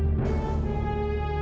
aku akan mencari tuhan